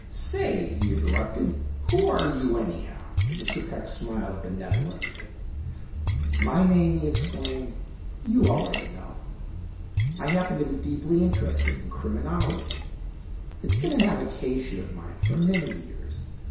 "Say," he interrupted, "who are you, anyhow?" Mr. Peck smiled benevolently. "My name," he explained, "you already know. I happen to be deeply interested in criminology. It's been an avocation of mine for many years.